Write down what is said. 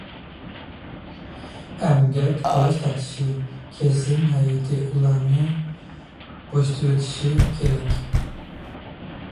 ئەمگەك تالاش-تارتىشى كېسىم ھەيئىتى ئۇلارنى بوشىتىۋېتىشى كېرەك.